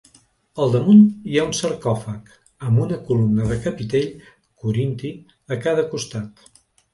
Al damunt hi ha un sarcòfag, amb una columna de capitell corinti a cada costat.